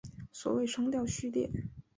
所谓双调序列。